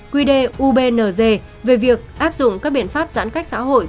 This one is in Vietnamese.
quy đề ubnz về việc áp dụng các biện pháp giãn cách xã hội